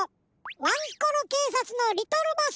ワンコロけいさつのリトルボス！